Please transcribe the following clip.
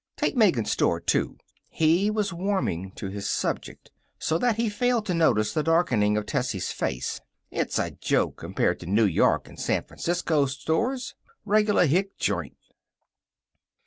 Take Megan's store, too" he was warming to his subject, so that he failed to notice the darkening of Tessie's face "it's a joke compared to New York and San Francisco stores. Reg'lar hick joint."